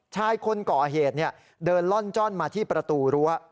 ชายคนก่อเหตุเดินล่อนจ้อนมาที่ประตูรั้ว